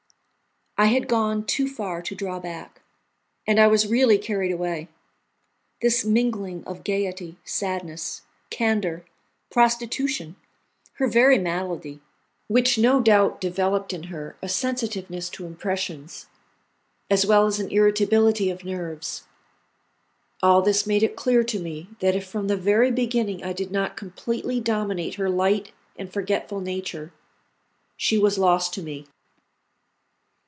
I had gone too far to draw back; and I was really carried away. This mingling of gaiety, sadness, candour, prostitution, her very malady, which no doubt developed in her a sensitiveness to impressions, as well as an irritability of nerves, all this made it clear to me that if from the very beginning I did not completely dominate her light and forgetful nature, she was lost to me.